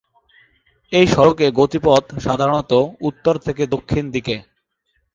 এ সড়কের গতিপথ সাধারনত উত্তর থেকে দক্ষিণ দিকে।